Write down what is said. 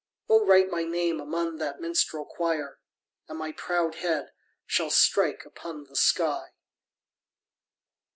O, write my name among that minstrel choir, And my proud head shall strike upon the sky!